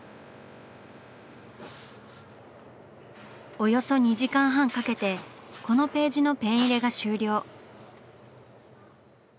およそ２時間半かけてこのページのペン入れが終了。